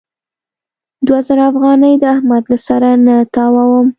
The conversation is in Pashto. دوه زره افغانۍ د احمد له سره نه تاووم.